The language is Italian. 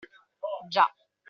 Già.